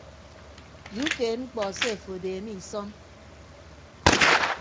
Ye ukeed mkpọ se afo adeeme isọn.